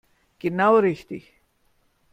Genau richtig.